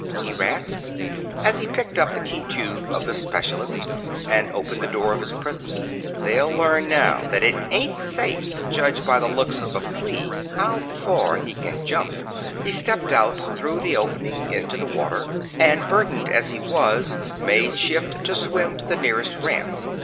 he rasped, as he picked up the key tube of the specialist and opened the door of his prison. "They'll learn now that it ain't safe to judge by the looks of a flea how far he can jump!" He stepped out through the opening into the water, and, burdened as he was, made shift to swim to the nearest ramp.